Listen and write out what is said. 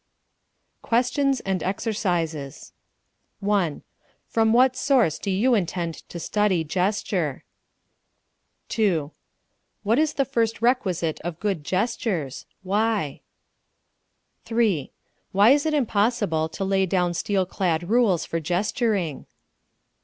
QUESTIONS AND EXERCISES 1. From what source do you intend to study gesture? 2. What is the first requisite of good gestures? Why? 3. Why is it impossible to lay down steel clad rules for gesturing?